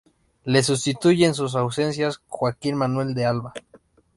Le sustituye en sus ausencias Joaquín Manuel de Alba.